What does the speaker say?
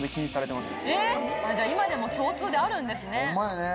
じゃあ今でも共通であるんですね。